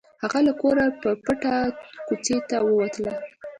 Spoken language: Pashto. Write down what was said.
هغه له کوره په پټه کوڅې ته وتلی و